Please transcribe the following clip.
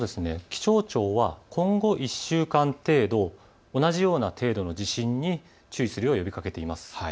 気象庁は今後１週間程度、同じような程度の地震に注意するよう呼びかけています。